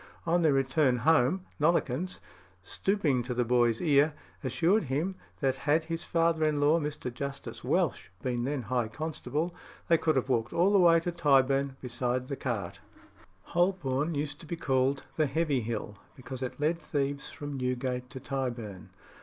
On their return home, Nollekens, stooping to the boy's ear, assured him that had his father in law, Mr. Justice Welch, been then High Constable, they could have walked all the way to Tyburn beside the cart. Holborn used to be called "the Heavy Hill" because it led thieves from Newgate to Tyburn.